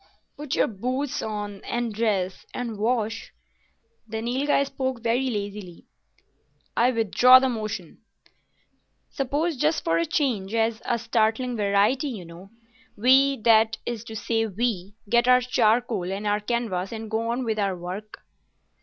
"Put our boots on,—and dress,—and wash?" The Nilghai spoke very lazily. "I withdraw the motion." "Suppose, just for a change—as a startling variety, you know—we, that is to say we, get our charcoal and our canvas and go on with our work."